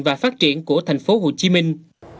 và phát triển của thành phố hồ chí minh